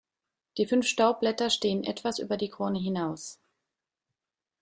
Die fünf Staubblätter stehen etwas über die Krone hinaus.